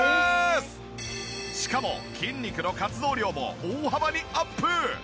しかも筋肉の活動量も大幅にアップ。